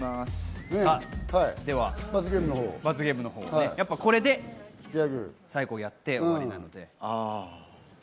では罰ゲームのほう、これで最後、やって終わりなので。